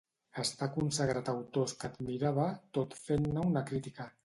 Està consagrat a autors que admirava, tot fent-ne una crítica.